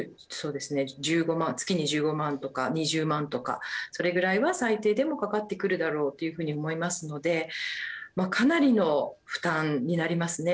月に１５万とか２０万とかそれぐらいは最低でもかかってくるだろうというふうに思いますのでかなりの負担になりますね。